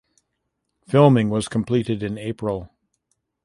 Filming was completed in April.